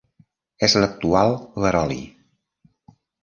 És l'actual Veroli.